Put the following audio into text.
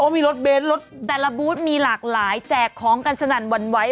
มีรถเบนท์รถแต่ละบูธมีหลากหลายแจกของกันสนั่นหวั่นไหว